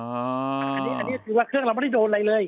อันนี้คือว่าเครื่องเราไม่ได้โดนอะไรเลย